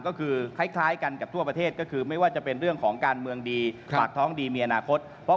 ก็คือคล้ายกันกับทั่วประเทศ